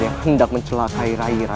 yang hendak mencelakai rairan